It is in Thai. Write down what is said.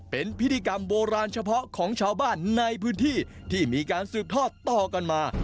เป็นพิธีกรรมโบราณเฉพาะของชาวบ้านในพื้นที่ที่มีการสืบทอดต่อกันมา